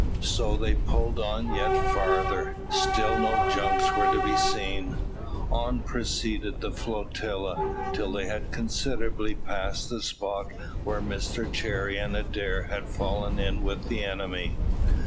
So they pulled on yet farther. Still no junks were to be seen. On proceeded the flotilla, till they had considerably passed the spot where Mr Cherry and Adair had fallen in with the enemy.